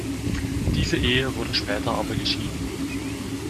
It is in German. Diese Ehe wurde später aber geschieden.